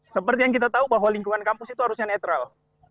seperti yang kita tahu bahwa lingkungan kampus itu harusnya netral